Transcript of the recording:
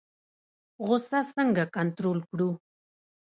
غوسه څنګه کنټرول کړو؟